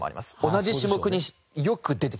同じ種目によく出てきます。